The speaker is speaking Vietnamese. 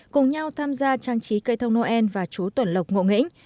cùng nhau tham gia trang trí cây thông noel và chú tuẩn lộc ngộ nghĩnh